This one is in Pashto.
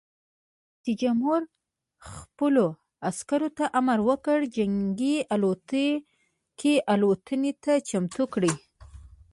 رئیس جمهور خپلو عسکرو ته امر وکړ؛ جنګي الوتکې الوتنې ته چمتو کړئ!